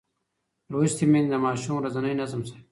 لوستې میندې د ماشوم ورځنی نظم ساتي.